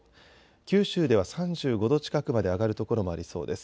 九州では３５度近くまで上がる所もありそうです。